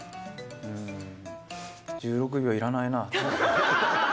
うーん、１６秒いらないな。